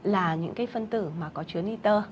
là những cái đại phân tử mà có chứa niter